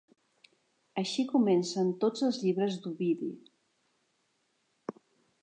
Així comencen tots els llibres d'Ovidi.